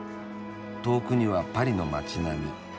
遠くにはパリの街並み。